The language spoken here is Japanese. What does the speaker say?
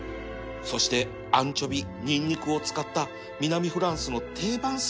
そしてアンチョビニンニクを使った南フランスの定番ソース